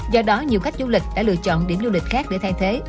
do đó nhiều khách du lịch đã lựa chọn điểm du lịch khác để thay thế